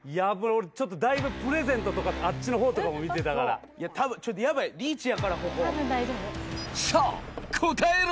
俺ちょっとだいぶプレゼントとかあっちのほうとかも見てたからちょっとヤバいリーチやからここたぶん大丈夫さあ答えろ！